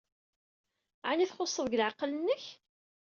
Ɛni txuṣṣed deg leɛqel-nnek?